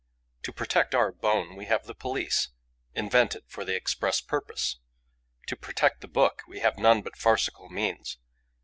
To protect our 'bone,' we have the police, invented for the express purpose. To protect the book, we have none but farcical means.